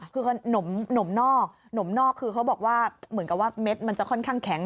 คือขนมนอกหนมนอกคือเขาบอกว่าเหมือนกับว่าเม็ดมันจะค่อนข้างแข็ง